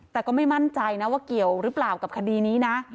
แต่ก็ไม่มั่นใจนะว่าเกี่ยวหรือเปล่ากับคดีนี้นะ